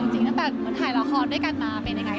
จริงแต่ถ้าถ่ายลาคอร์ดด้วยกันมาเป็นอย่างไร